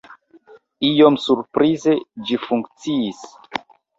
Iom surprize, ĝi funkciis.